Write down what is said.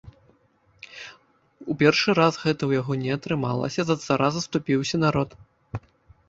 У першы раз гэта ў яго не атрымалася, за цара заступіўся народ.